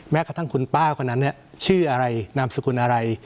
กระทั่งคุณป้าคนนั้นชื่ออะไรนามสกุลอะไร